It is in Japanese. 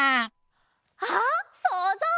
あっそうぞう！